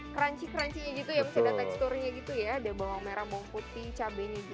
krancing krancing gitu ya meski ada teksturnya gitu ya ada bawang merah bawang putih cabenya